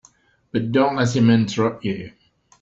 But don't let him interrupt you.